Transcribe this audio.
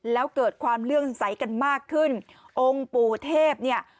แล้วเกิดความเลื่อมใสกันมากขึ้นองค์ปู่เทพเนี่ย